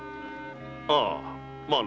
ああまあな。